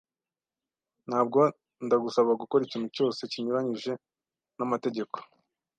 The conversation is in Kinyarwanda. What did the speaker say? Ntabwo ndagusaba gukora ikintu cyose kinyuranyije n'amategeko.